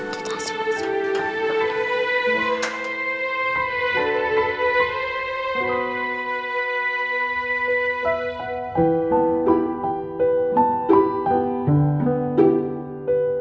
kamu harus semangat